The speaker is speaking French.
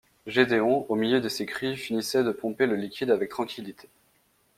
Gédéon, au milieu de ces cris, finissait de pomper le liquide avec tranquillité.